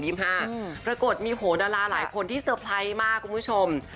ปรากฏมีโหดาราหลายคนที่เตอร์ไพรส์มากคุณผู้ชม